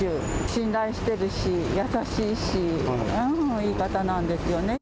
信頼しているし優しいし、いい方なんですよね。